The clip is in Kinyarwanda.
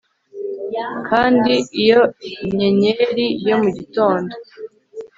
Kandi iyo nyenyeri yo mu gitondo